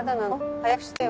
早くしてよ。